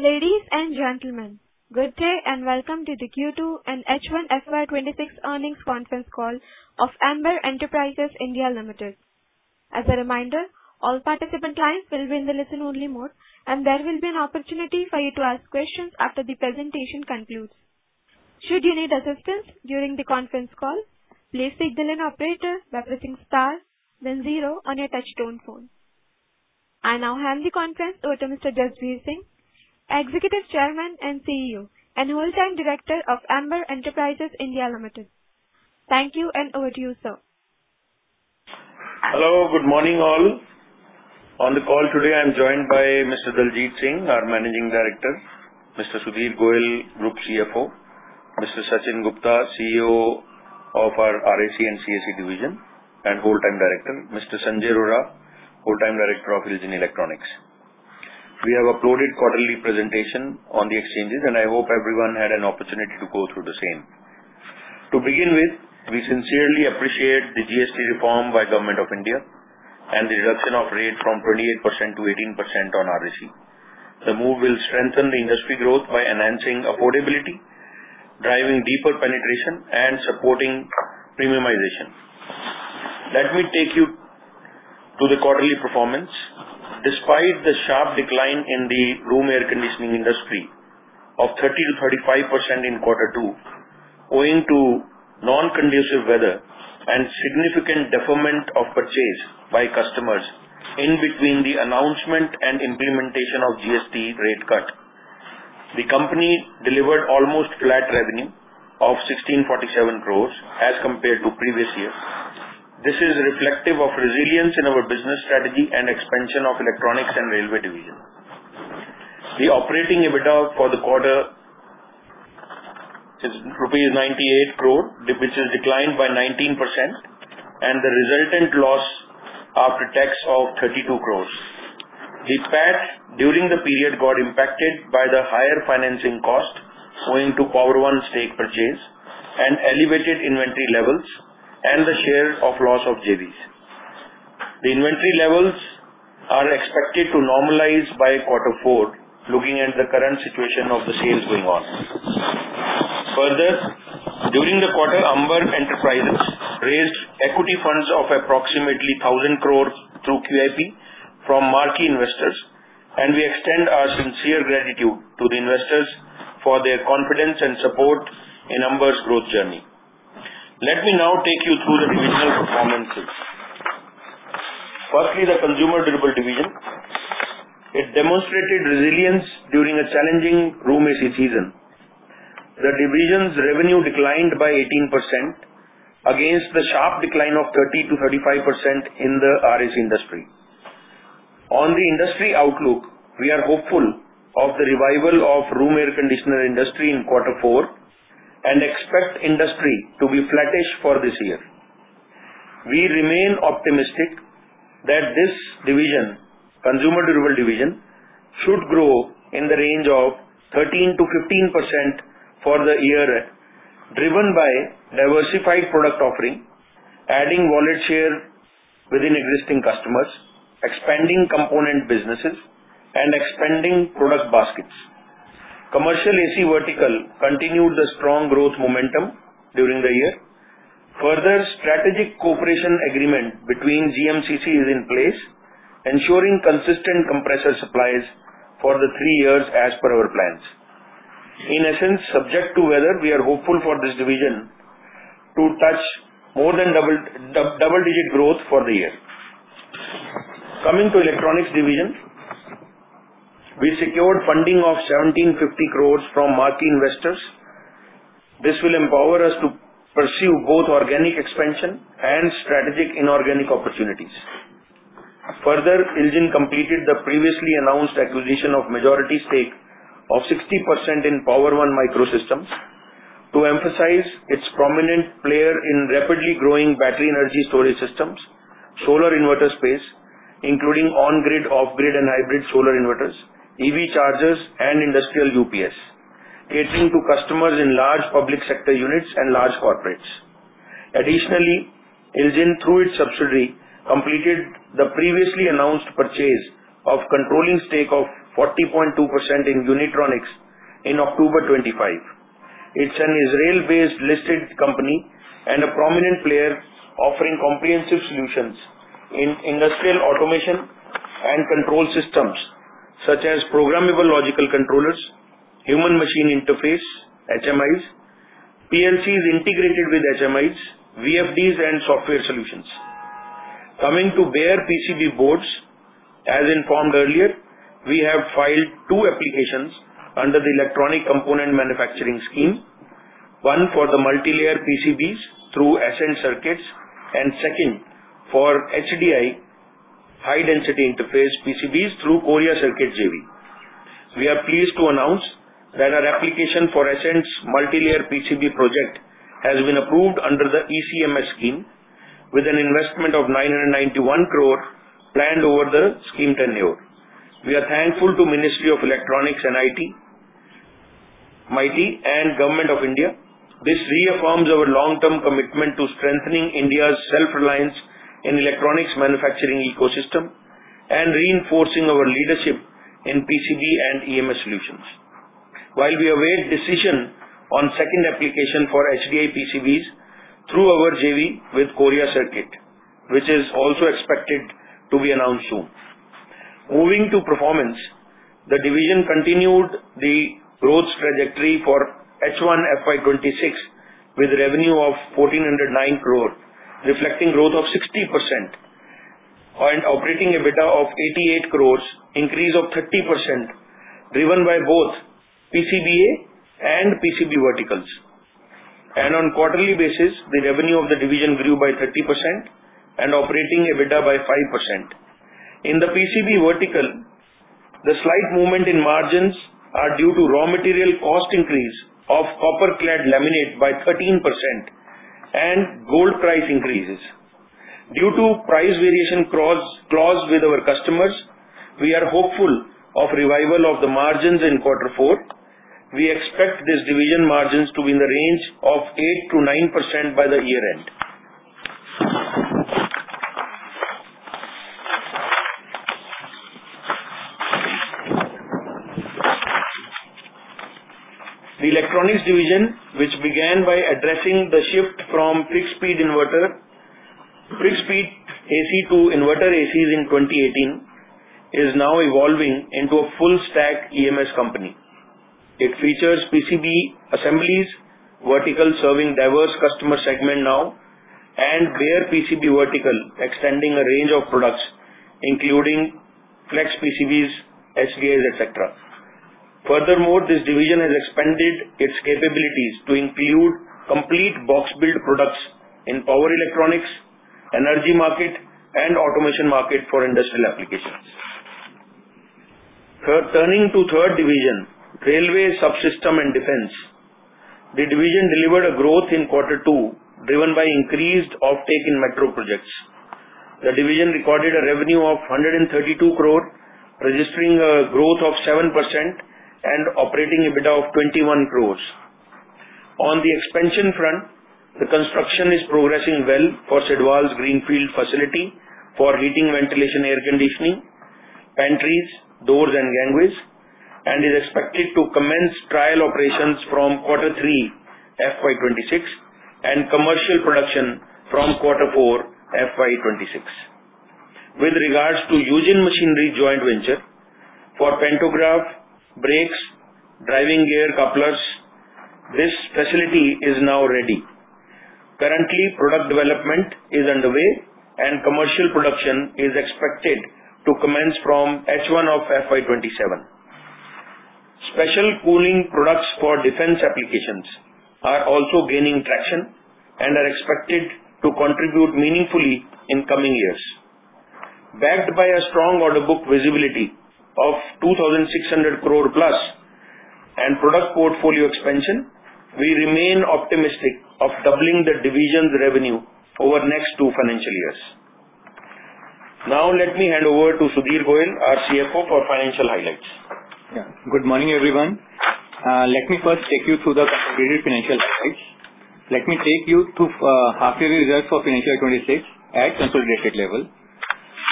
Ladies and gentlemen, good day and welcome to the Q2 and H1 FY 2026 earnings conference call of Amber Enterprises India Limited. As a reminder, all participant lines will be in the listen-only mode, and there will be an opportunity for you to ask questions after the presentation concludes. Should you need assistance during the conference call, please seek the line operator by pressing star, then zero on your touch-tone phone. I now hand the conference over to Mr. Jasbir Singh, Executive Chairman and CEO and Whole-time Director of Amber Enterprises India Limited. Thank you, and over to you, sir. Hello. Good morning, all. On the call today, I'm joined by Mr. Daljit Singh, our Managing Director, Mr. Sudhir Goyal, Group CFO, Mr. Sachin Gupta, CEO of our RAC and CAC division and Whole-time Director, Mr. Sanjay Arora, Whole-time Director of IL JIN Electronics. We have uploaded quarterly presentations on the exchanges, and I hope everyone had an opportunity to go through the same. To begin with, we sincerely appreciate the GST reform by the Government of India and the reduction of rate from 28%-18% on RAC. The move will strengthen the industry growth by enhancing affordability, driving deeper penetration, and supporting premiumization. Let me take you to the quarterly performance. Despite the sharp decline in the room air conditioning industry of 30%-35% in Q2, owing to non-conducive weather and significant deferment of purchase by customers in between the announcement and implementation of the GST rate cut, the company delivered almost flat revenue of 1,647 crores as compared to previous years. This is reflective of resilience in our business strategy and expansion of the electronics and railway division. The operating EBITDA for the quarter is rupees 98 crore, which is declined by 19%, and the resultant loss after tax of 32 crores. The PAT during the period got impacted by the higher financing cost owing to Power-One stake purchase and elevated inventory levels and the share of loss of JVs. The inventory levels are expected to normalize by Q4, looking at the current situation of the sales going on. Further, during the quarter, Amber Enterprises raised equity funds of approximately 1,000 crore through QIP from marquee investors, and we extend our sincere gratitude to the investors for their confidence and support in Amber's growth journey. Let me now take you through the divisional performances. Firstly, the Consumer Durable Division. It demonstrated resilience during a challenging room AC season. The division's revenue declined by 18% against the sharp decline of 30%-35% in the RAC industry. On the industry outlook, we are hopeful of the revival of the room air conditioner industry in Q4 and expect industry to be flattish for this year. We remain optimistic that this division, Consumer Durable Division, should grow in the range of 13%-15% for the year, driven by diversified product offering, adding wallet share within existing customers, expanding component businesses, and expanding product baskets. Commercial AC vertical continued the strong growth momentum during the year. Further, strategic cooperation agreement between GMCC is in place, ensuring consistent compressor supplies for the three years as per our plans. In essence, subject to weather, we are hopeful for this division to touch more than double-digit growth for the year. Coming to the electronics division, we secured funding of 1,750 crores from marquee investors. This will empower us to pursue both organic expansion and strategic inorganic opportunities. Further, ILJIN completed the previously announced acquisition of majority stake of 60% in Power-One Micro Systems to emerge as a prominent player in rapidly growing battery energy storage systems, solar inverter space, including on-grid, off-grid, and hybrid solar inverters, EV chargers, and industrial UPS, catering to customers in large public sector units and large corporates. Additionally, ILJIN Electronics, through its subsidiary, completed the previously announced purchase of controlling stake of 40.2% in Unitronics in October 2025. It's an Israeli-based listed company and a prominent player offering comprehensive solutions in industrial automation and control systems such as programmable logic controllers, human-machine interface (HMIs), PLCs integrated with HMIs, VFDs, and software solutions. Coming to bare PCB boards, as informed earlier, we have filed two applications under the Electronic Component Manufacturing Scheme, one for the multi-layer PCBs through Ascent Circuits and second for HDI high-density interconnect PCBs through Korea Circuit JV. We are pleased to announce that our application for Ascent's multi-layer PCB project has been approved under the ECMS scheme with an investment of 991 crore planned over the scheme tenure. We are thankful to the Ministry of Electronics and Information Technology, MeitY, and the Government of India. This reaffirms our long-term commitment to strengthening India's self-reliance in the electronics manufacturing ecosystem and reinforcing our leadership in PCB and EMS solutions. While we await decision on the second application for HDI PCBs through our JV with Korea Circuit, which is also expected to be announced soon. Moving to performance, the division continued the growth trajectory for H1 FY 2026 with a revenue of 1,409 crore, reflecting growth of 60% and operating EBITDA of 88 crore, an increase of 30% driven by both PCBA and PCB verticals. And on a quarterly basis, the revenue of the division grew by 30% and operating EBITDA by 5%. In the PCB vertical, the slight movement in margins is due to raw material cost increase of copper-clad laminate by 13% and gold price increases. Due to price variation clauses with our customers, we are hopeful of the revival of the margins in Q4. We expect these division margins to be in the range of 8% to 9% by the year-end. The Electronics division, which began by addressing the shift from fixed-speed AC to inverter ACs in 2018, is now evolving into a full-stack EMS company. It features PCB assemblies, verticals serving diverse customer segments now, and bare PCB verticals extending a range of products, including flex PCBs, SVAs, etc. Furthermore, this division has expanded its capabilities to include complete box-built products in power electronics, energy market, and automation market for industrial applications. Turning to the third division, Railway Subsystem and Defense, the division delivered a growth in Q2 driven by increased off-take in metro projects. The division recorded a revenue of 132 crore, registering a growth of 7% and operating EBITDA of 21 crores. On the expansion front, the construction is progressing well for Sidwal's greenfield facility for heating, ventilation, air conditioning, pantries, doors, and gangways, and is expected to commence trial operations from Q3 FY 2026 and commercial production from Q4 FY 2026. With regards to Yujin Machinery Joint Venture for pantograph brakes, driving gear couplers, this facility is now ready. Currently, product development is underway, and commercial production is expected to commence from H1 of FY 2027. Special cooling products for defense applications are also gaining traction and are expected to contribute meaningfully in coming years. Backed by a strong order book visibility of 2,600 crore plus and product portfolio expansion, we remain optimistic of doubling the division's revenue over the next two financial years. Now, let me hand over to Sudhir Goyal, our CFO, for financial highlights. Yeah. Good morning, everyone. Let me first take you through the consolidated financial highlights. Let me take you through half-yearly results for financial year 2026 at consolidated level.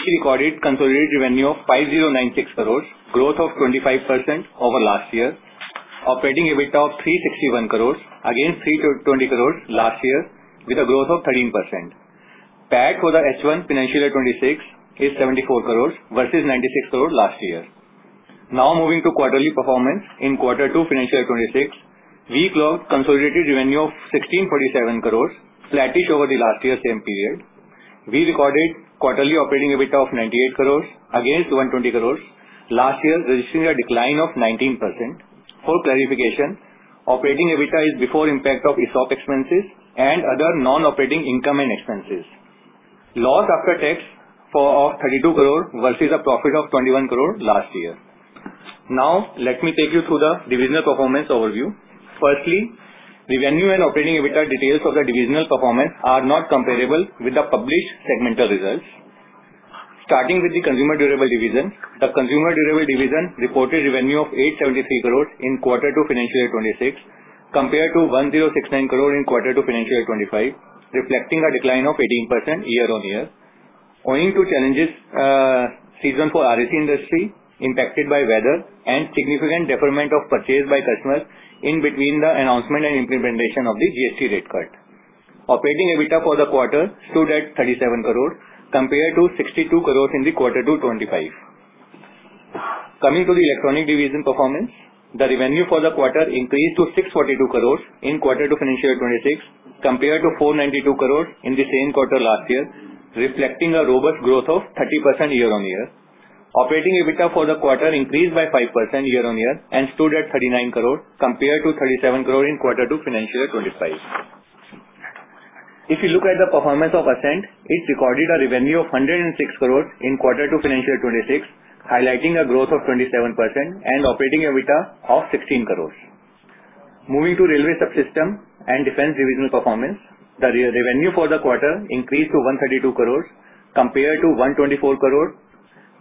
We recorded consolidated revenue of 5,096 crore, growth of 25% over last year, operating EBITDA of 361 crore against 320 crore last year, with a growth of 13%. PAT for the H1 financial year 2026 is 74 crore versus 96 crore last year. Now, moving to quarterly performance, in Q2 financial year 2026, we clocked consolidated revenue of INR 1,647 crore, flattish over the last year's same period. We recorded quarterly operating EBITDA of INR 98 crore against INR 120 crore last year, registering a decline of 19%. For clarification, operating EBITDA is before the impact of ESOP expenses and other non-operating income and expenses. Loss after tax of INR 32 crore versus a profit of INR 21 crore last year. Now, let me take you through the divisional performance overview. Firstly, revenue and operating EBITDA details of the divisional performance are not comparable with the published segmental results. Starting with the Consumer Durable Division, the Consumer Durable Division reported revenue of INR 873 crore in Q2 financial year 2026 compared to INR 1,069 crore in Q2 financial year 2025, reflecting a decline of 18% year-on-year. Owing to seasonal challenges for the RAC industry impacted by weather and significant deferment of purchases by customers in between the announcement and implementation of the GST rate cut, operating EBITDA for the quarter stood at 37 crore compared to 62 crore in Q2 financial year 2025. Coming to the Electronic Division performance, the revenue for the quarter increased to 642 crore in Q2 financial year 2026 compared to 492 crore in the same quarter last year, reflecting a robust growth of 30% year-on-year. Operating EBITDA for the quarter increased by 5% year-on-year and stood at 39 crore compared to 37 crore in Q2 financial year 2025. If you look at the performance of Ascent, it recorded a revenue of INR 106 crore in Q2 financial year 2026, highlighting a growth of 27% and operating EBITDA of 16 crore. Moving to Railway Subsystems and Defense Division performance, the revenue for the quarter increased to 132 crore compared to 124 crore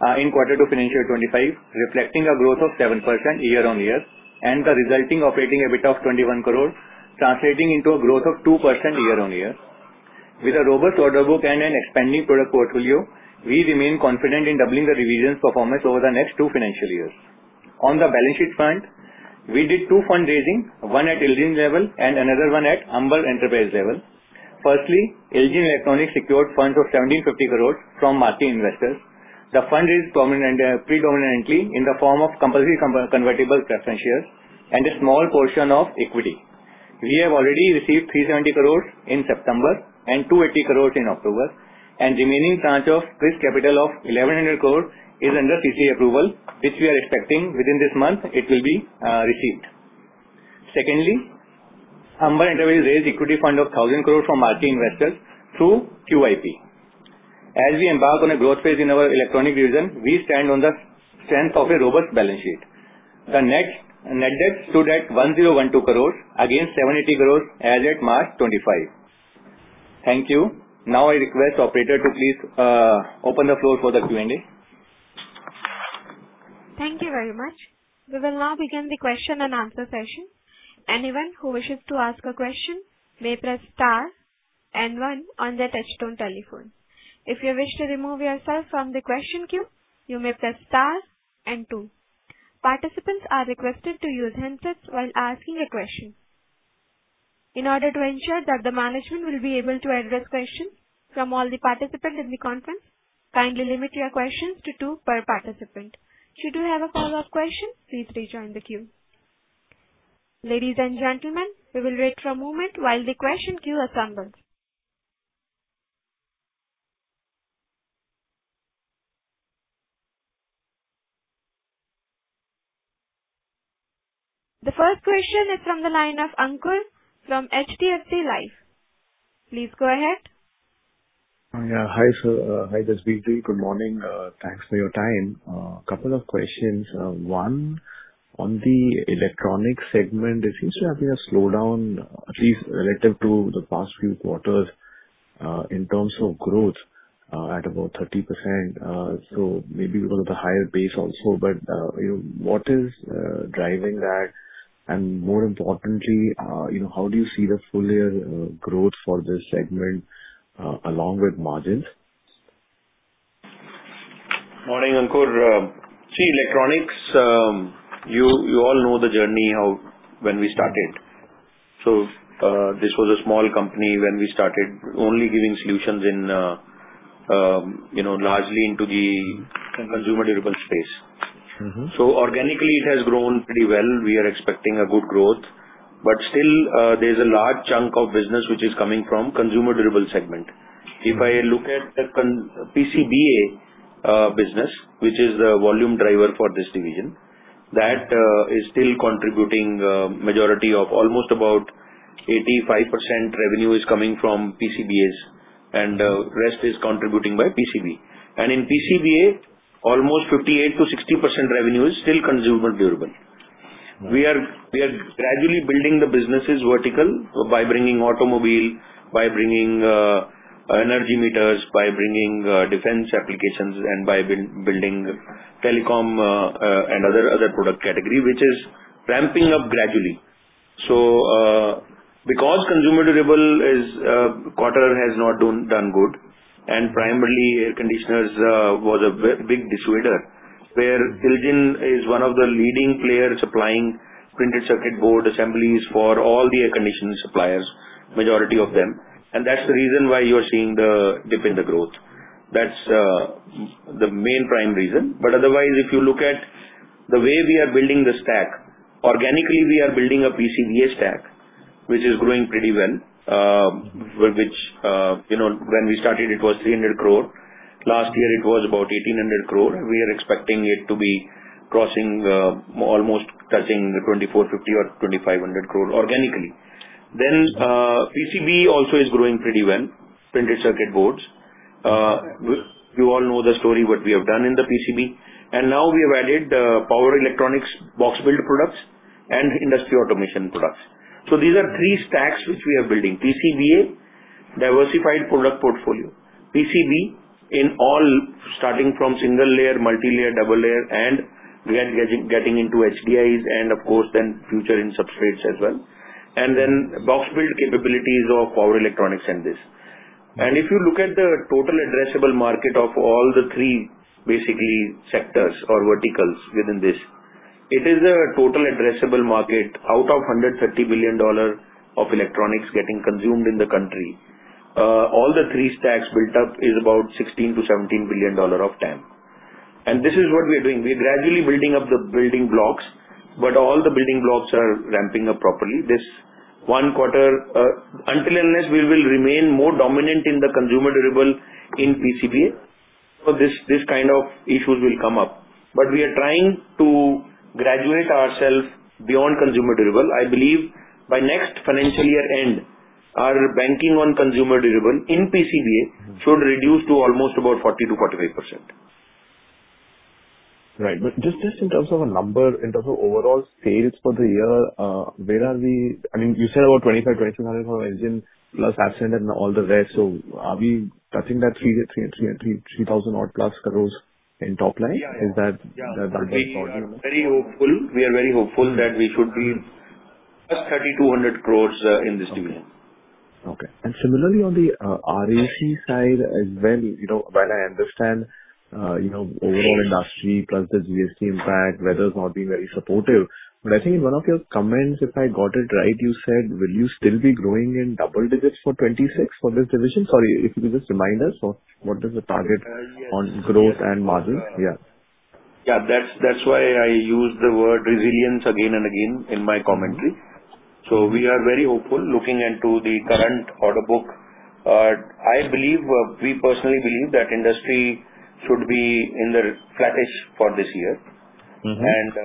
in Q2 financial year 2025, reflecting a growth of 7% year-on-year and the resulting operating EBITDA of 21 crore, translating into a growth of 2% year-on-year. With a robust order book and an expanding product portfolio, we remain confident in doubling the division's performance over the next two financial years. On the balance sheet front, we did two fund-raising, one at IL JIN level and another one at Amber Enterprises level. Firstly, IL JIN Electronics secured funds of 1,750 crore from marquee investors. The fund raised predominantly in the form of compulsory convertible preference shares and a small portion of equity. We have already received 370 crore in September and 280 crore in October, and the remaining tranche of this capital of 1,100 crore is under CC approval, which we are expecting within this month, it will be received. Secondly, Amber Enterprises raised equity fund of 1,000 crore from marquee investors through QIP. As we embark on a growth phase in our Electronic Division, we stand on the strength of a robust balance sheet. The net debt stood at 1,012 crore against 780 crore as at March 25. Thank you. Now, I request the operator to please open the floor for the Q&A. Thank you very much. We will now begin the question and answer session. Anyone who wishes to ask a question may press star and one on their touch-tone telephone. If you wish to remove yourself from the question queue, you may press star and two. Participants are requested to use handsets while asking a question. In order to ensure that the management will be able to address questions from all the participants in the conference, kindly limit your questions to two per participant. Should you have a follow-up question, please rejoin the queue. Ladies and gentlemen, we will wait for a moment while the question queue assembles. The first question is from the line of Ankur from HDFC Life. Please go ahead. Yeah. Hi, sir. Hi, Jasbir. Good morning. Thanks for your time. A couple of questions. One, on the electronics segment, there seems to have been a slowdown, at least relative to the past few quarters, in terms of growth at about 30%. So maybe because of the higher base also. But what is driving that? And more importantly, how do you see the full year growth for this segment along with margins? Morning, Ankur. See, Electronics, you all know the journey when we started. So this was a small company when we started, only giving solutions largely into the consumer durable space. So organically, it has grown pretty well. We are expecting a good growth. But still, there's a large chunk of business which is coming from the consumer durable segment. If I look at the PCBA business, which is the volume driver for this division, that is still contributing the majority of almost about 85% revenue is coming from PCBAs, and the rest is contributing by PCB. And in PCBA, almost 58%-60% revenue is still consumer durable. We are gradually building the business vertical by bringing automobile, by bringing energy meters, by bringing defense applications, and by building telecom and other product category, which is ramping up gradually. Because consumer durables quarter has not done good, and primarily air conditioners was a big downside, where IL JIN is one of the leading players supplying printed circuit board assemblies for all the air conditioning suppliers, majority of them. And that's the reason why you are seeing the dip in the growth. That's the main prime reason. But otherwise, if you look at the way we are building the stack, organically, we are building a PCBA stack, which is growing pretty well. When we started, it was 300 crore. Last year, it was about 1,800 crore. We are expecting it to be crossing almost touching the 2,450 or 2,500 crore organically. Then PCB also is growing pretty well, printed circuit boards. You all know the story what we have done in the PCB. And now we have added power electronics box-built products and industrial automation products. So these are three stacks which we are building: PCBA, diversified product portfolio, PCB in all, starting from single layer, multi-layer, double layer, and getting into HDIs, and of course, then future in substrates as well. And then box-built capabilities of power electronics and this. And if you look at the total addressable market of all the three, basically, sectors or verticals within this, it is a total addressable market out of $130 billion of electronics getting consumed in the country. All the three stacks built up is about $16-$17 billion of TAM. And this is what we are doing. We are gradually building up the building blocks, but all the building blocks are ramping up properly. This one quarter, until unless we will remain more dominant in the consumer durable in PCBA, this kind of issues will come up. But we are trying to graduate ourselves beyond consumer durable. I believe by next financial year end, our banking on consumer durable in PCBA should reduce to almost about 40%-45%. Right. But just in terms of a number, in terms of overall sales for the year, where are we? I mean, you said about 2,500, 2,600 crore ending plus Ascent and all the rest. So are we touching that 3,000-odd plus crores in top line? Is that very hopeful? Yeah. We are very hopeful. We are very hopeful that we should be just 3,200 crores in this division. Okay. And similarly, on the RAC side as well, while I understand overall industry plus the GST impact, weather has not been very supportive. But I think in one of your comments, if I got it right, you said, "Will you still be growing in double digits for 26 for this division?" Sorry, if you could just remind us, what is the target on growth and margins? Yeah. Yeah. That's why I use the word resilience again and again in my commentary. So we are very hopeful looking into the current order book. I believe we personally believe that industry should be in the flattish for this year. And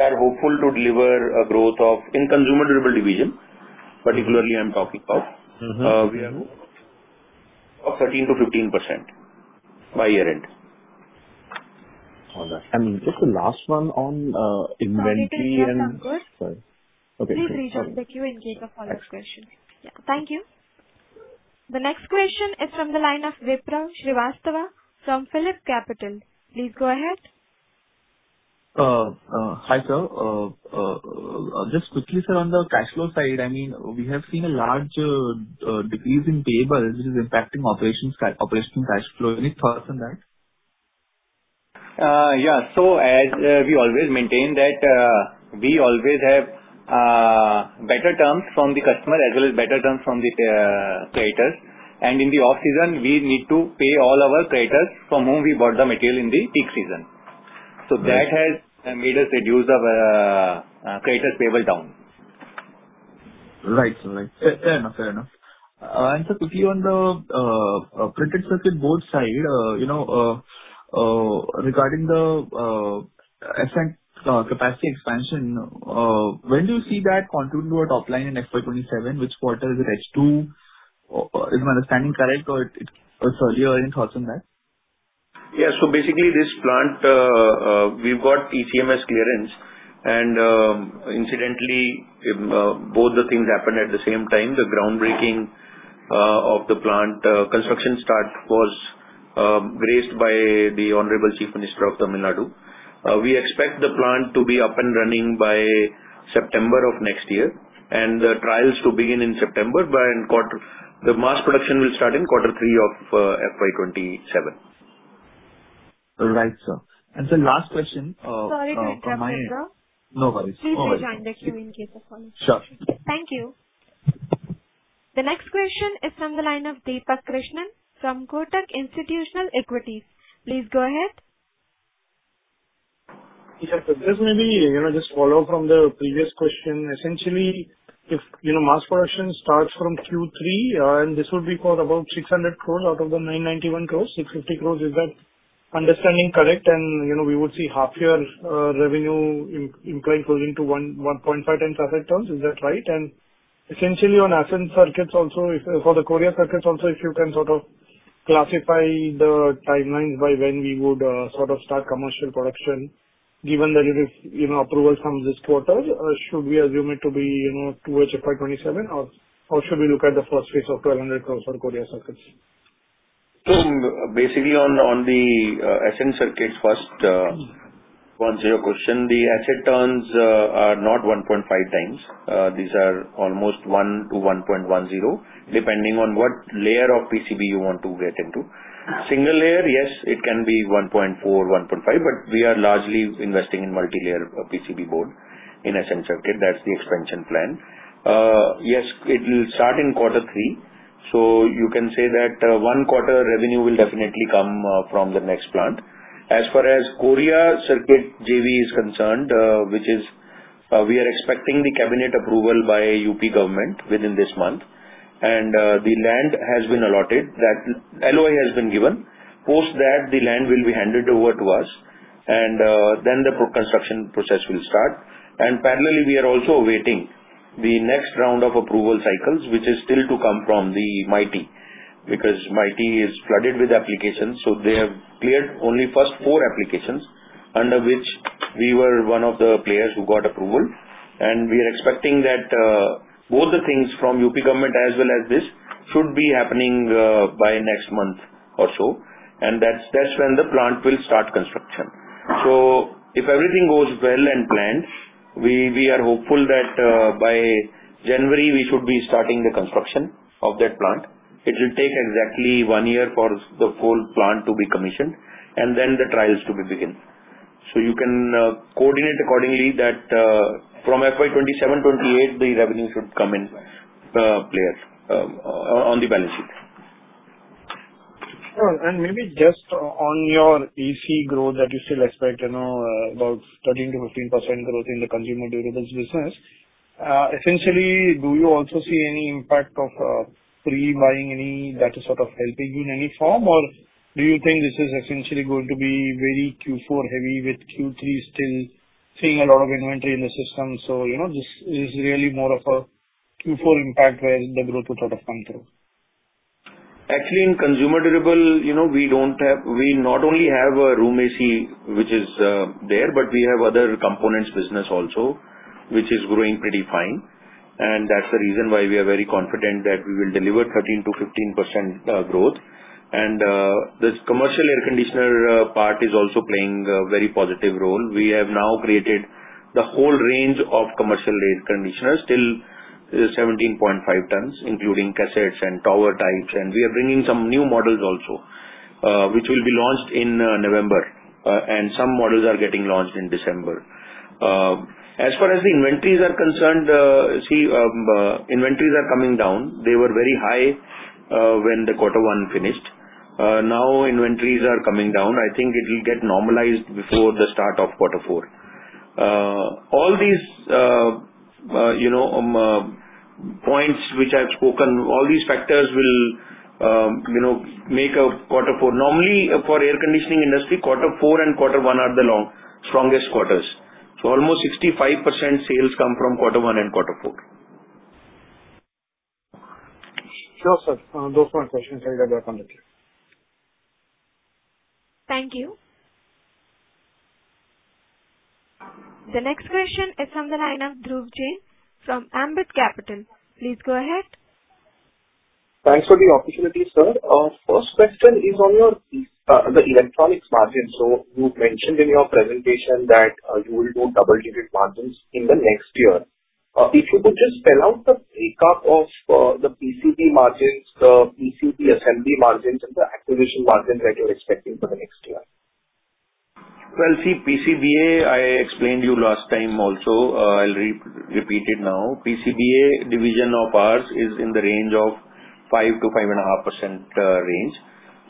we are hopeful to deliver a growth in consumer durable division, particularly I'm talking about. We are hopeful of 13%-15% by year-end. All right. And just the last one on inventory and. Please rejoin the queue in case of follow-up questions. Yeah. Thank you. The next question is from the line of Vikram Suryavanshi from PhillipCapital. Please go ahead. Hi, sir. Just quickly, sir, on the cash flow side, I mean, we have seen a large decrease in payables, which is impacting operational cash flow. Any thoughts on that? Yeah, so as we always maintain that we always have better terms from the customer as well as better terms from the creditors, and in the off-season, we need to pay all our creditors from whom we bought the material in the peak season, so that has made us reduce the creditors' payable down. Right. Fair enough. Fair enough. And sir, quickly on the printed circuit board side, regarding the capex capacity expansion, when do you see that contributing to our top line in FY 2027, which quarter is it? H2, is my understanding correct, or earlier? Any thoughts on that? Yeah. So basically, this plant, we've got ECMS clearance. And incidentally, both the things happened at the same time. The groundbreaking of the plant construction start was graced by the Honorable Chief Minister of Tamil Nadu. We expect the plant to be up and running by September of next year, and the trials to begin in September. The mass production will start in quarter three of FY 2027. Right, sir. And sir, last question. Sorry to interrupt, sir. No worries. Please rejoin the queue in case of follow-up. Sure. Thank you. The next question is from the line of Deepak Krishnan from Kotak Institutional Equities. Please go ahead. Yes, sir. This may be just a follow-up from the previous question. Essentially, if mass production starts from Q3, and this would be for about 600 crore out of the 991 crore, 650 crore, is that understanding correct? And we would see half-year revenue implying closing to 1.5 times asset terms. Is that right? And essentially, on Ascent Circuits also, for the Korea Circuit also, if you can sort of classify the timelines by when we would sort of start commercial production, given that it is approval from this quarter, should we assume it to be towards FY 2027, or should we look at the first phase of 1,200 crore for Korea Circuit? Basically, on the Ascent Circuits first, one question. The asset turns are not 1.5 times. These are almost 1 to 1.10, depending on what layer of PCB you want to get into. Single layer, yes, it can be 1.4, 1.5, but we are largely investing in multi-layer PCB board in Ascent Circuits. That's the expansion plan. Yes, it will start in quarter three. So you can say that one quarter revenue will definitely come from the next plant. As far as Korea Circuit JV is concerned, we are expecting the cabinet approval by UP government within this month. And the land has been allotted. That LOI has been given. Post that, the land will be handed over to us, and then the construction process will start. And parallelly, we are also awaiting the next round of approval cycles, which is still to come from the MeitY, because MeitY is flooded with applications. So they have cleared only the first four applications under which we were one of the players who got approval. And we are expecting that both the things from UP government as well as this should be happening by next month or so. And that's when the plant will start construction. So if everything goes well and planned, we are hopeful that by January, we should be starting the construction of that plant. It will take exactly one year for the full plant to be commissioned, and then the trials to be begun. So you can coordinate accordingly that from FY 2027, 2028, the revenue should come in the plant on the balance sheet. Maybe just on your EMS growth that you still expect about 13%-15% growth in the consumer durables business, essentially, do you also see any impact of pre-buying, any, that is sort of helping you in any form, or do you think this is essentially going to be very Q4 heavy with Q3 still seeing a lot of inventory in the system? Is this really more of a Q4 impact where the growth will sort of come through? Actually, in consumer durable, we not only have a room AC, which is there, but we have other components business also, which is growing pretty fine. And that's the reason why we are very confident that we will deliver 13%-15% growth. And the commercial air conditioner part is also playing a very positive role. We have now created the whole range of commercial air conditioners, still 17.5 tons, including cassettes and tower types. And we are bringing some new models also, which will be launched in November. And some models are getting launched in December. As far as the inventories are concerned, see, inventories are coming down. They were very high when the quarter one finished. Now inventories are coming down. I think it will get normalized before the start of quarter four. All these points which I've spoken, all these factors will make a quarter four. Normally, for air conditioning industry, quarter four and quarter one are the strongest quarters. So almost 65% sales come from quarter one and quarter four. Sure, sir. Those were my questions. I'll get back on the queue. Thank you. The next question is from the line of Dhruv Jain from Ambit Capital. Please go ahead. Thanks for the opportunity, sir. First question is on the electronics margins. So you mentioned in your presentation that you will do double-digit margins in the next year. If you could just spell out the recap of the PCB margins, the PCB assembly margins, and the acquisition margins that you're expecting for the next year? See, PCBA. I explained to you last time also. I'll repeat it now. PCBA division of ours is in the 5-5.5% range.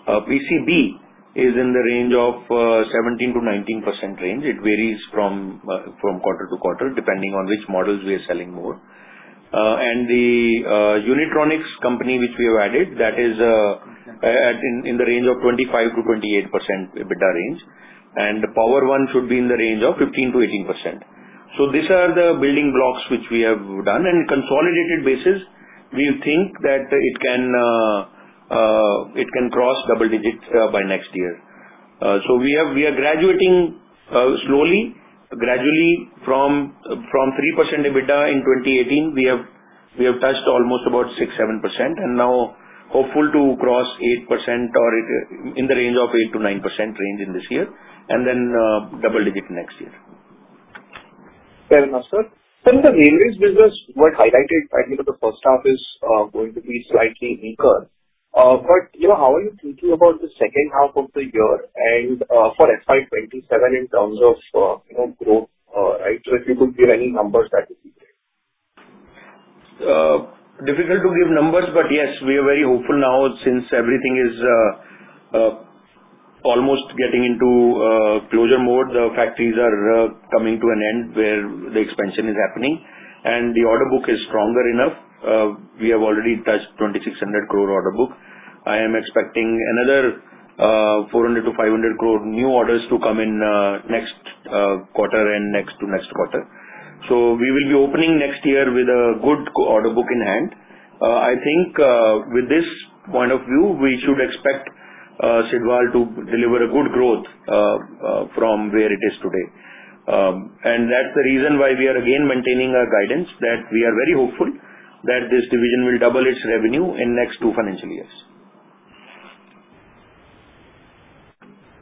PCB is in the 17-19% range. It varies from quarter-to-quarter, depending on which models we are selling more. The Unitronics company, which we have added, is in the 25-28% EBITDA range. Power-One should be in the 15-18% range. These are the building blocks which we have done. On a consolidated basis, we think that it can cross double digits by next year. We are graduating slowly, gradually, from 3% EBITDA in 2018. We have touched almost 6-7%. Now we are hopeful to cross 8% or in the 8-9% range in this year, and then double digits next year. Fair enough, sir. From the railways business, what highlighted at the first half is going to be slightly weaker. But how are you thinking about the second half of the year and for FY 2027 in terms of growth? Right? So if you could give any numbers, that would be great. Difficult to give numbers, but yes, we are very hopeful now since everything is almost getting into closure mode. The factories are coming to an end where the expansion is happening, and the order book is stronger enough. We have already touched 2,600 crore order book. I am expecting another 400-500 crore new orders to come in next quarter and next to next quarter, so we will be opening next year with a good order book in hand. I think with this point of view, we should expect Sidwal to deliver a good growth from where it is today, and that's the reason why we are again maintaining our guidance that we are very hopeful that this division will double its revenue in next two financial years.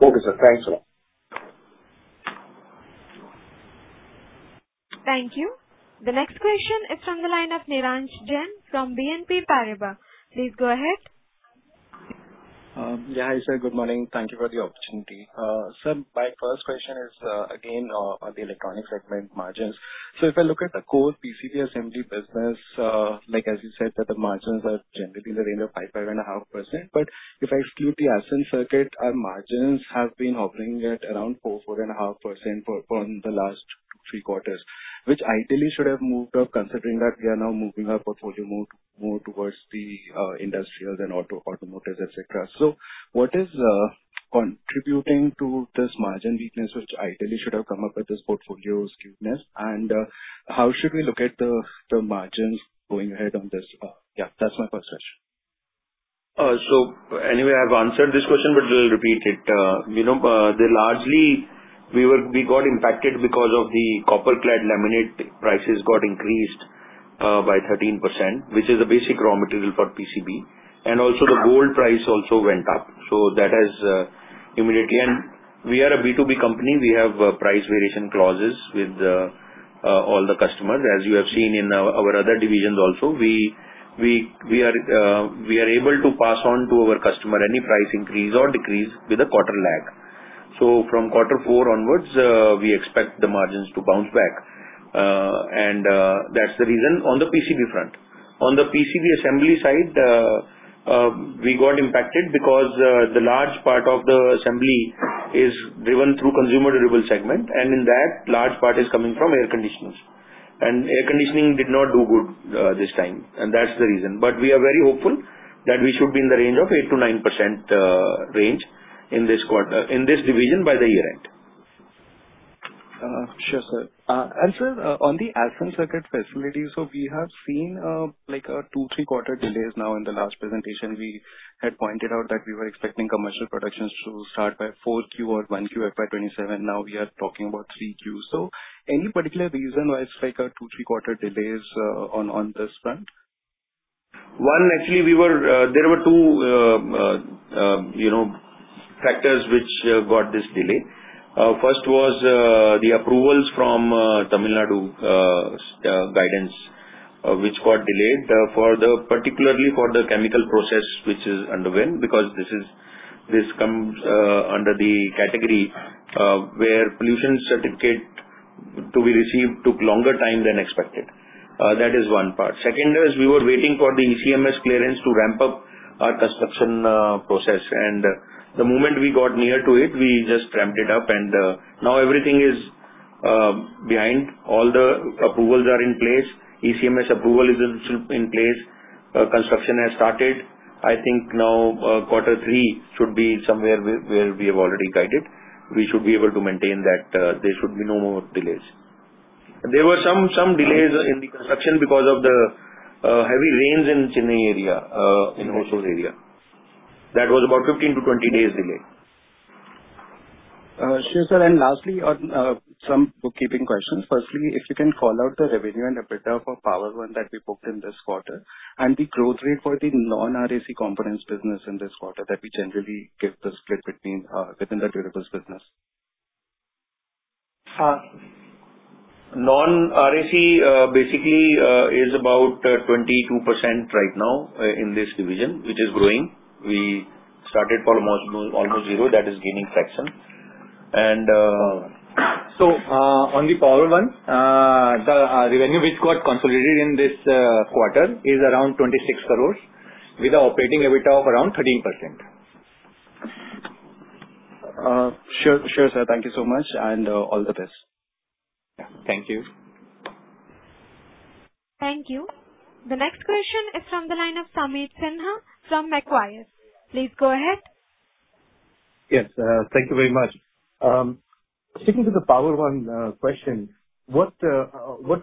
Okay, sir. Thanks a lot. Thank you. The next question is from the line of Neeraj Jain from BNP Paribas. Please go ahead. Yeah, hi Sir. Good morning. Thank you for the opportunity. Sir, my first question is again on the electronics segment margins. So if I look at the core PCB assembly business, like as you said, that the margins are generally in the range of 5-5.5%. But if I exclude the Ascent Circuits, our margins have been hovering at around 4-4.5% for the last two, three quarters, which ideally should have moved up considering that we are now moving our portfolio more towards the industrials and automotives, etc. So what is contributing to this margin weakness, which ideally should have come up at this portfolio skewness? And how should we look at the margins going ahead on this? Yeah, that's my first question. So anyway, I've answered this question, but we'll repeat it. You know, largely, we got impacted because of the copper-clad laminate prices got increased by 13%, which is a basic raw material for PCB. And also, the gold price also went up. So that has immediately, and we are a B2B company. We have price variation clauses with all the customers, as you have seen in our other divisions also. We are able to pass on to our customer any price increase or decrease with a quarter lag. So from quarter four onwards, we expect the margins to bounce back. And that's the reason on the PCB front. On the PCB assembly side, we got impacted because the large part of the assembly is driven through consumer durable segment. And in that, large part is coming from air conditioners. And air conditioning did not do good this time. And that's the reason. But we are very hopeful that we should be in the range of 8%-9% in this division by the year end. Sure, sir. And sir, on the Ascent Circuits facilities, so we have seen like a two, three-quarter delays now. In the last presentation, we had pointed out that we were expecting commercial productions to start by 4Q or 1Q FY 2027. Now we are talking about 3Q. So any particular reason why it's like a two, three-quarter delays on this front? One, actually, there were two factors which got this delay. First was the approvals from Tamil Nadu government, which got delayed, particularly for the chemical process, which underwent, because this comes under the category where pollution certificate to be received took longer time than expected. That is one part. Second is we were waiting for the ECMS clearance to ramp up our construction process. The moment we got it, we just ramped it up. Now everything is behind. All the approvals are in place. ECMS approval is in place. Construction has started. I think now quarter three should be somewhere where we have already guided. We should be able to maintain that. There should be no more delays. There were some delays in the construction because of the heavy rains in the Chennai area, in Hosur area. That was about 15-20 days delay. Sure, Sir. And lastly, on some bookkeeping questions. Firstly, if you can call out the revenue and EBITDA for Power-One that we booked in this quarter and the growth rate for the non-RAC components business in this quarter that we generally give the split between within the durables business. Non-RAC basically is about 22% right now in this division, which is growing. We started almost zero. That is gaining traction. And on the Power-One, the revenue which got consolidated in this quarter is around 26 crores with an operating EBITDA of around 13%. Sure, Sir. Thank you so much. And all the best. Yeah. Thank you. Thank you. The next question is from the line of Sumit Sinha from Macquarie. Please go ahead. Yes. Thank you very much. Sticking to the Power-One question, what's the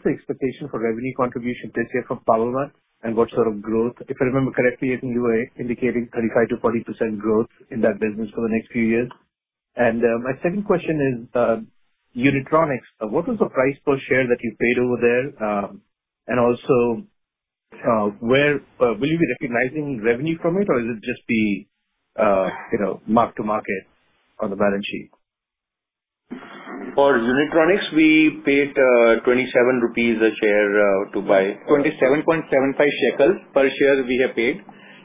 expectation for revenue contribution this year from Power-One and what sort of growth? If I remember correctly, I think you were indicating 35%-40% growth in that business for the next few years. And my second question is Unitronics. What was the price per share that you paid over there? And also, will you be recognizing revenue from it, or will it just be marked to market on the balance sheet? For Unitronics, we paid 27 rupees a share to buy. INR 27.75 per share we have paid,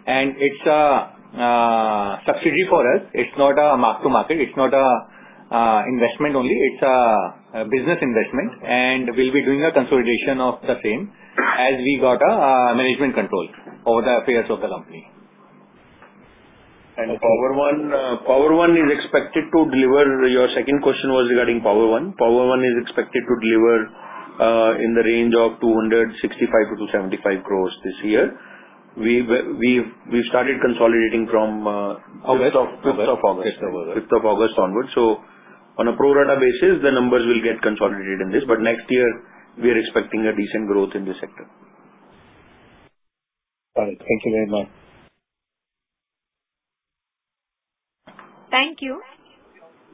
and it's a subsidiary for us. It's not a mark-to-market. It's not an investment only. It's a business investment, and we'll be doing a consolidation of the same as we got a management control over the affairs of the company. Power-One is expected to deliver. Your second question was regarding Power-One. Power-One is expected to deliver in the range of 265-275 this year. We've started consolidating from August. Fifth of August. Fifth of August onward. So on a pro-rata basis, the numbers will get consolidated in this. But next year, we are expecting a decent growth in this sector. Got it. Thank you very much. Thank you.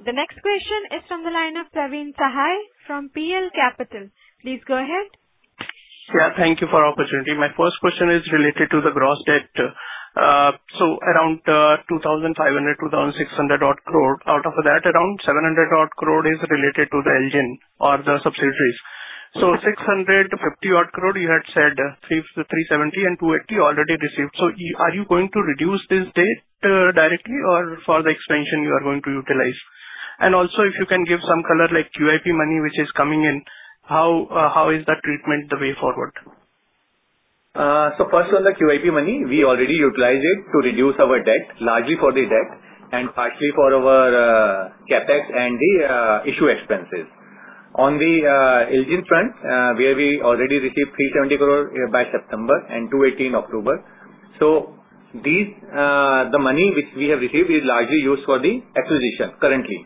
The next question is from the line of Praveen Sahay from PL Capital. Please go ahead. Yeah. Thank you for the opportunity. My first question is related to the gross debt. So around 2,500-2,600 crore. Out of that, around 700 crore is related to the LGN or the subsidiaries. So 650 crore, you had said 370 and 280 already received. So are you going to reduce this debt directly or for the expansion you are going to utilize? And also, if you can give some color like QIP money which is coming in, how is that treatment the way forward? So first on the QIP money, we already utilize it to reduce our debt, largely for the debt and partially for our CapEx and the issue expenses. On the IL JIN front, where we already received 370 crore by September and 280 in October. So the money which we have received is largely used for the acquisition currently.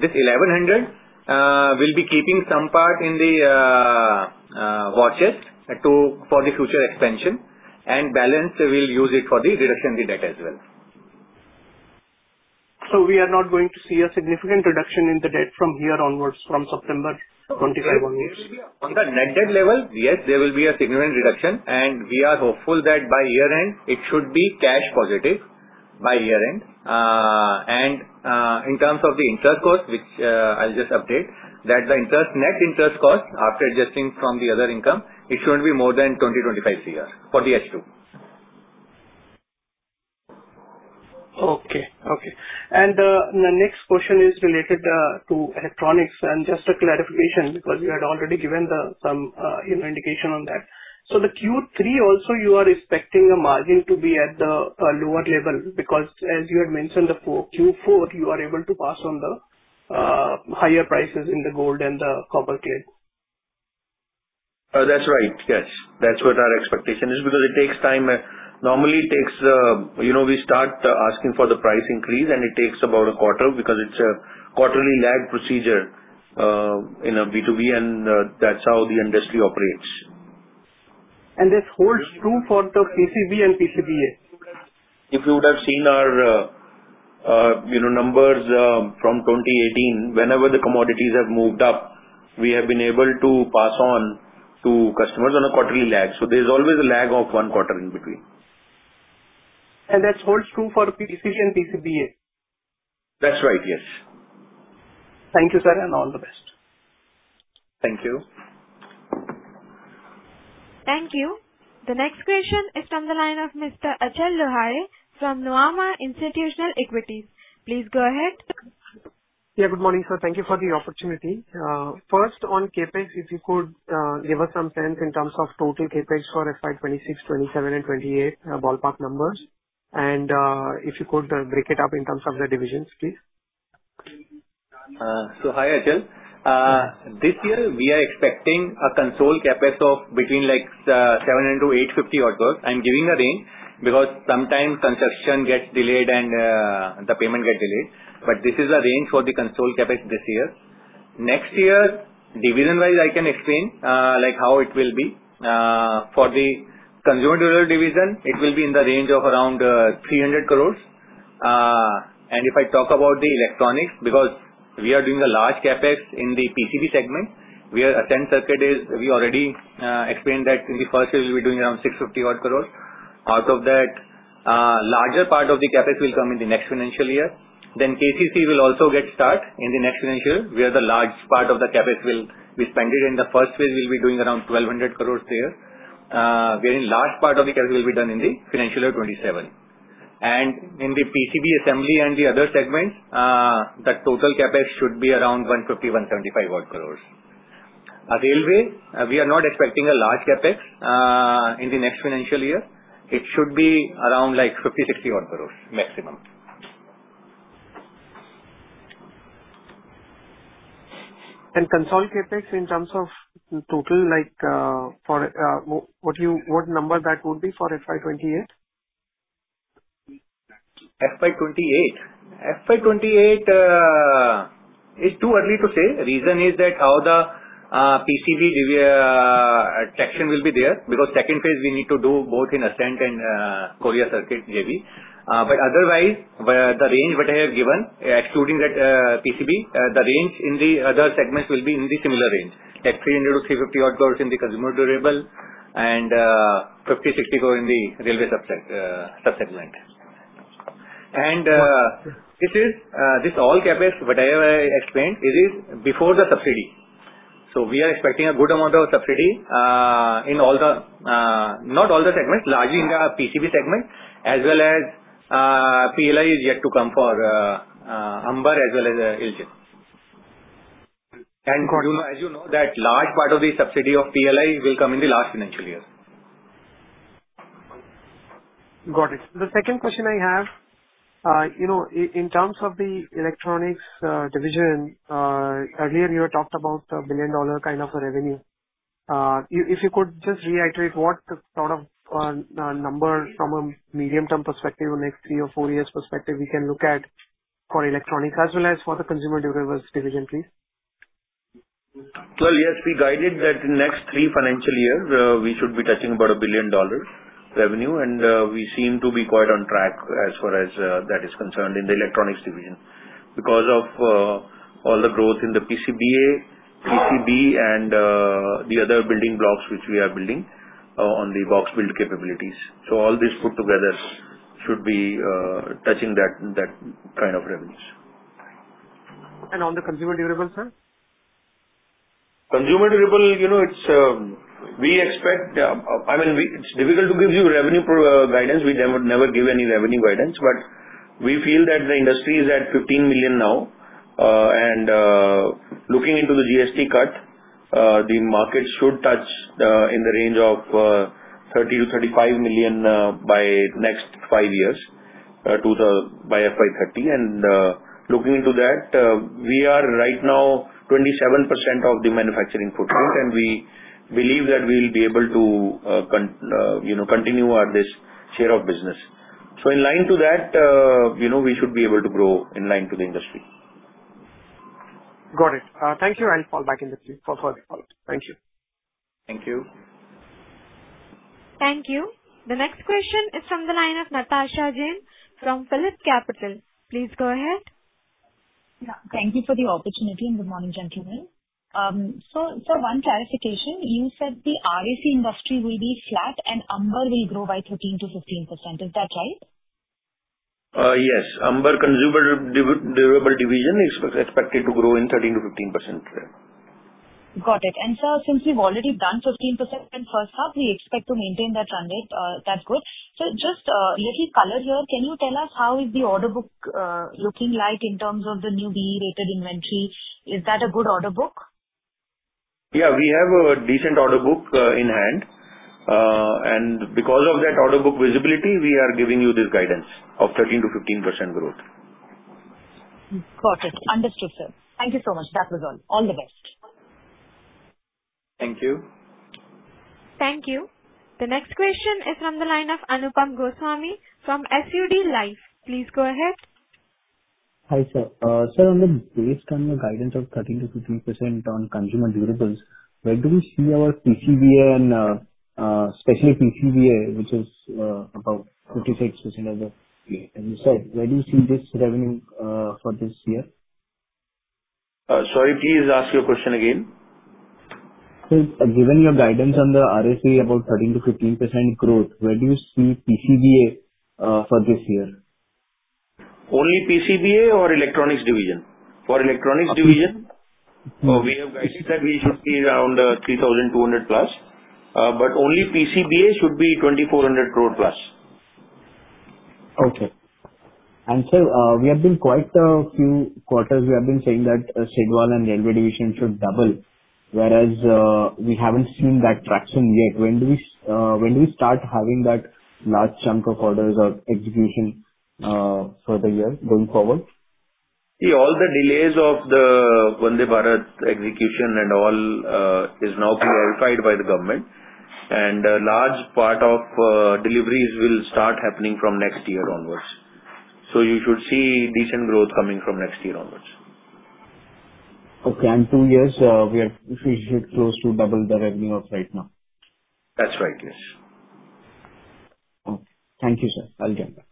This 1,100 will be keeping some part in the works for the future expansion. And balance, we'll use it for the reduction in the debt as well. So we are not going to see a significant reduction in the debt from here onwards from September 2025 onwards? On the net debt level, yes, there will be a significant reduction. And we are hopeful that by year end, it should be cash positive by year end. And in terms of the interest cost, which I'll just update, that the net interest cost after adjusting from the other income, it shouldn't be more than 20-25 CR for the S2. Okay. And the next question is related to electronics. Just a clarification because you had already given some indication on that. So the Q3 also, you are expecting a margin to be at the lower level because, as you had mentioned, for Q4, you are able to pass on the higher prices in the gold and the copper clad. That's right. Yes. That's what our expectation is because it takes time. Normally, it takes, we start asking for the price increase, and it takes about a quarter because it's a quarterly lag procedure in a B2B, and that's how the industry operates. This holds true for the PCB and PCBA? If you would have seen our numbers from 2018, whenever the commodities have moved up, we have been able to pass on to customers on a quarterly lag, so there's always a lag of one quarter in between. That holds true for PCB and PCBA? That's right. Yes. Thank you, sir, and all the best. Thank you. Thank you. The next question is from the line of Mr. Achal Lohade from Nuvama Institutional Equities. Please go ahead. Yeah. Good morning, sir. Thank you for the opportunity. First, on CapEx, if you could give us some sense in terms of total CapEx for FY 2026, 2027, and 2028 ballpark numbers, and if you could break it up in terms of the divisions, please. So hi, Achal. This year, we are expecting a consolidated CapEx of between 700 to 850 crore. I'm giving a range because sometimes construction gets delayed and the payment gets delayed. But this is the range for the consolidated CapEx this year. Next year, division-wise, I can explain how it will be. For the consumer durable division, it will be in the range of around 300 crores. And if I talk about the electronics, because we are doing a large CapEx in the PCB segment, we are Ascent Circuits. We already explained that in the first year, we'll be doing around 650 crore. Out of that, a larger part of the CapEx will come in the next financial year. Then Korea Circuit will also get started in the next financial year, where the large part of the CapEx will be spent. In the first phase, we'll be doing around 1,200 crores there. The last part of the CapEx will be done in the financial year 2027. And in the PCB assembly and the other segments, the total CapEx should be around 150-175 crores. Railway, we are not expecting a large CapEx in the next financial year. It should be around like 50-60 crores maximum. Consolidated CapEx in terms of total, what number that would be for FY 2028? FY 2028? FY 2028 is too early to say. The reason is that how the PCB traction will be there because second phase, we need to do both in Ascent and Korea Circuit JV. But otherwise, the range that I have given, excluding that PCB, the range in the other segments will be in the similar range, like 300-350 crores in the consumer durable and 50-60 crore in the railway subsegment. And this all CapEx, whatever I explained, it is before the subsidy. So we are expecting a good amount of subsidy in all the, not all the segments, largely in the PCB segment, as well as PLI is yet to come for Amber as well as LGN. As you know, that large part of the subsidy of PLI will come in the last financial year. Got it. The second question I have, in terms of the Electronics Division, earlier you had talked about the billion-dollar kind of a revenue. If you could just reiterate what sort of number from a medium-term perspective, a next three or four years perspective, we can look at for electronics as well as for the consumer durables division, please. Yes, we guided that in the next three financial years, we should be touching about $1 billion in revenue. We seem to be quite on track as far as that is concerned in the electronics division because of all the growth in the PCBA, PCB, and the other building blocks which we are building on the box-built capabilities. All this put together should be touching that kind of revenues. On the consumer durables, sir? Consumer durable, we expect, I mean, it's difficult to give you revenue guidance. We never give any revenue guidance. But we feel that the industry is at $15 million now. And looking into the GST cut, the market should touch in the range of $30-35 million by next five years by FY 2030. And looking into that, we are right now 27% of the manufacturing footprint, and we believe that we'll be able to continue this share of business. So in line to that, we should be able to grow in line to the industry. Got it. Thank you. I'll call back in the future for further follow-up. Thank you. Thank you. Thank you. The next question is from the line of Natasha Jain from PhillipCapital. Please go ahead. Yeah. Thank you for the opportunity, and good morning, gentlemen. So for one clarification, you said the RAC industry will be flat and Amber will grow by 13%-15%. Is that right? Yes. Amber consumer durable division is expected to grow in 13%-15% today. Got it. And sir, since we've already done 15% in first half, we expect to maintain that run rate. That's good. So just a little color here. Can you tell us how is the order book looking like in terms of the new BEE-rated inventory? Is that a good order book? Yeah. We have a decent order book in hand. And because of that order book visibility, we are giving you this guidance of 13%-15% growth. Got it. Understood, sir. Thank you so much. That was all. All the best. Thank you. Thank you. The next question is from the line of Anupam Goswami from SUD Life. Please go ahead. Hi, Sir. Sir, based on your guidance of 13%-15% on consumer durables, where do we see our PCBA and especially PCBA, which is about 56% of the-where do you see this revenue for this year? Sorry, please ask your question again. So given your guidance on the RSE, about 13%-15% growth, where do you see PCBA for this year? Only PCBA or Electronics Division? For Electronics Division, we have guidance that we should see around 3,200 plus. But only PCBA should be 2,400 crore plus. Okay. And sir, we have been quite a few quarters, we have been saying that Sidwal and railway division should double, whereas we haven't seen that traction yet. When do we start having that large chunk of orders or execution for the year going forward? See, all the delays of the Vande Bharat execution and all is now clarified by the government. And a large part of deliveries will start happening from next year onwards. So you should see decent growth coming from next year onwards. Okay, and two years, we should close to double the revenue of right now. That's right. Yes. Okay. Thank you, sir. I'll jump back.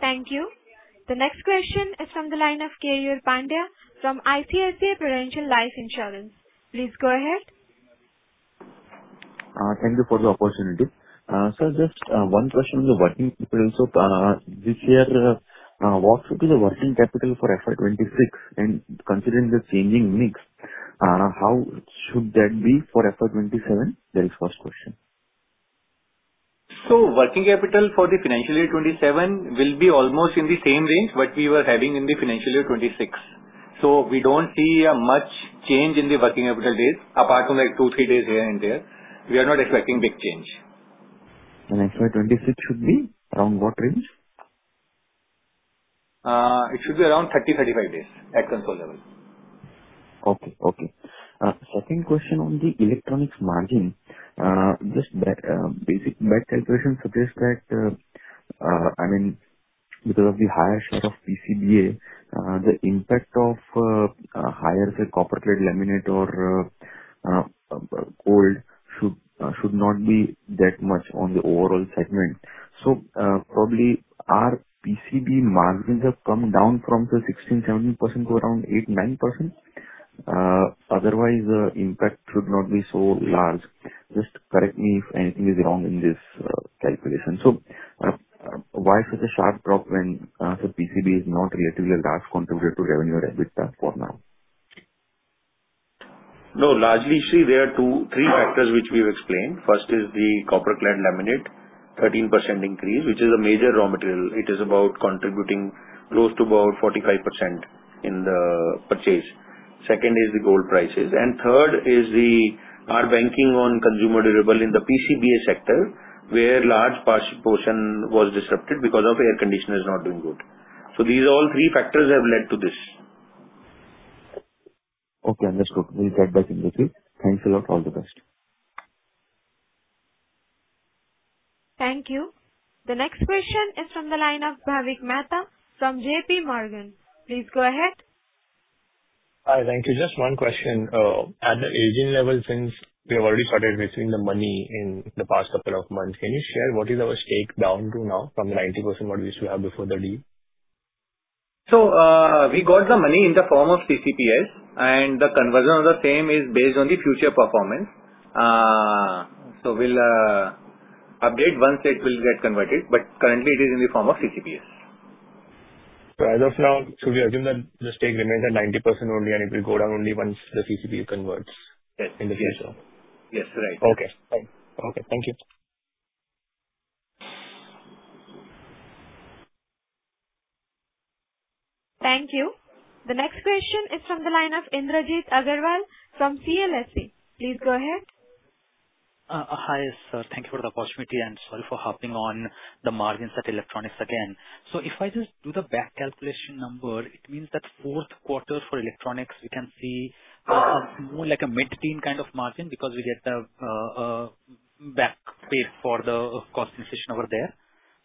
Thank you. The next question is from the line of Keyur Pandya from ICICI Prudential Life Insurance. Please go ahead. Thank you for the opportunity. Sir, just one question on the working capital. So this year, walk through the working capital for FY 2026. And considering the changing mix, how should that be for FY 20 2027? That is the first question. Working capital for the financial year 2027 will be almost in the same range what we were having in the financial year 2026. We don't see much change in the working capital days, apart from like two, three days here and there. We are not expecting big change. And FY 2026 should be around what range? It should be around 30-35 days at consolidated level. Okay. Okay. Second question on the electronics margin. Just basic bad calculation suggests that, I mean, because of the higher share of PCBA, the impact of higher copper-clad laminate or gold should not be that much on the overall segment. So probably our PCB margins have come down from the 16%-17% to around 8%-9%. Otherwise, the impact should not be so large. Just correct me if anything is wrong in this calculation. So why such a sharp drop when PCB is not relatively a large contributor to revenue or EBITDA for now? No. Largely, you see, there are three factors which we've explained. First is the copper-clad laminate, 13% increase, which is a major raw material. It is about contributing close to about 45% in the purchase. Second is the gold prices. And third is our banking on consumer durable in the PCBA sector, where large portion was disrupted because of air conditioners not doing good. So these all three factors have led to this. Okay. Understood. We'll get back in detail. Thanks a lot. All the best. Thank you. The next question is from the line of Bhavik Mehta from JPMorgan. Please go ahead. Hi. Thank you. Just one question. At the IL JIN level, since we have already started raising the money in the past couple of months, can you share what is our stake down to now from the 90% what we used to have before the deal? So we got the money in the form of CCPS, and the conversion of the same is based on the future performance. So we'll update once it will get converted. But currently, it is in the form of CCPS. So as of now, should we assume that the stake remains at 90% only, and it will go down only once the CCPS converts in the future? Yes. Yes. Right. Okay. Thank you. Thank you. The next question is from the line of Indrajit Agarwal from CLSA. Please go ahead. Hi, Sir. Thank you for the opportunity, and sorry for harping on the margins at electronics again, so if I just do the back calculation number, it means that fourth quarter for electronics, we can see more like a mid-teen kind of margin because we get the payback for the cost inflation over there,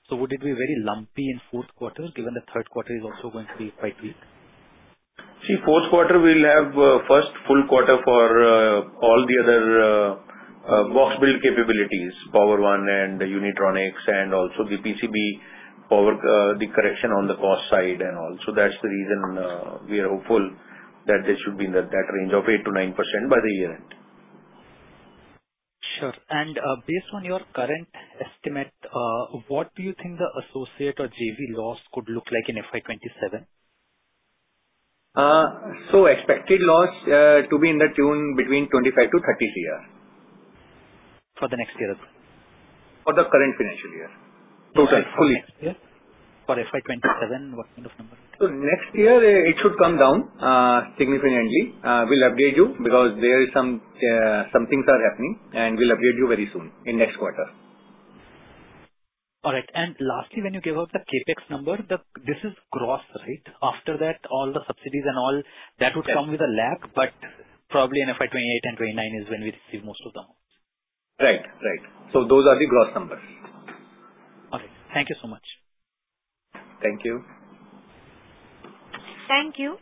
so would it be very lumpy in fourth quarter given the third quarter is also going to be quite weak? See, fourth quarter, we'll have first full quarter for all the other box-built capabilities, Power-One and Unitronics, and also the PCB power, the correction on the cost side and all. So that's the reason we are hopeful that there should be that range of 8%-9% by the year end. Sure. And based on your current estimate, what do you think the associate or JV loss could look like in FY 2027? Expected loss to be to the tune of between 25 crore to 33 crore. For the next year as well? For the current financial year. Total. Full year. For FY 2027, what kind of number? So next year, it should come down significantly. We'll update you because there are some things that are happening, and we'll update you very soon in next quarter. All right. And lastly, when you gave out the CapEx number, this is gross, right? After that, all the subsidies and all, that would come with a lag. But probably in FY 2028 and 2029 is when we receive most of the amounts. Right. Right. So those are the gross numbers. All right. Thank you so much. Thank you. Thank you.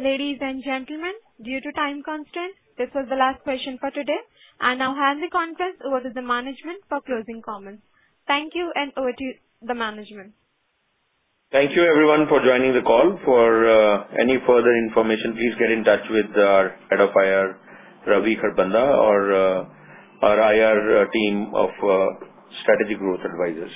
Ladies and gentlemen, due to time constraints, this was the last question for today, and I'll hand the conference over to the management for closing comments. Thank you, and over to the management. Thank you, everyone, for joining the call. For any further information, please get in touch with our Head of IR, Ravi Kharbanda, or our IR team of strategic growth advisors.